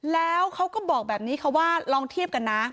แล้วเขาก็บอกแบบนี้ค่ะว่าลองเทียบกันนะ